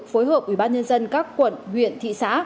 phối hợp ubnd các quận huyện thị xã